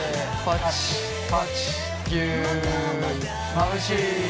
まぶしい。